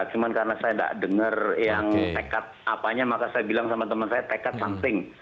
cuma karena saya tidak dengar yang tekad apanya maka saya bilang sama teman saya tekad something